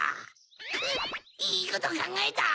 くっいいことかんがえた！